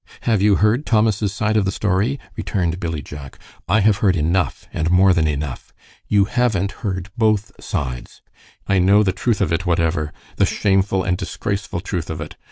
"Have you heard Thomas's side of the story?" returned Billy Jack. "I have heard enough, and more than enough." "You haven't heard both sides." "I know the truth of it, whatever, the shameful and disgraceful truth of it.